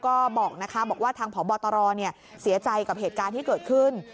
ก็บอกนะคะบอกว่าทางพบตรเสียใจกับเหตุการณ์ที่เกิดขึ้น